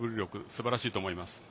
すばらしいと思います。